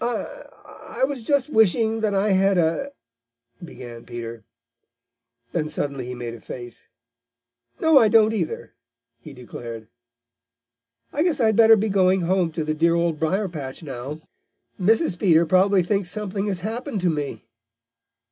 "I I was just wishing that I had a " began Peter. Then suddenly he made a face. "No, I don't either!" he declared. "I guess I'd better be getting home to the dear Old Briar patch now. Mrs. Peter probably thinks something has happened to me."